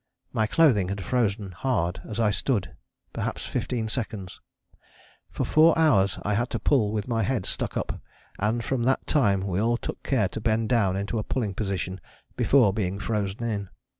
My clothing had frozen hard as I stood perhaps fifteen seconds. For four hours I had to pull with my head stuck up, and from that time we all took care to bend down into a pulling position before being frozen in.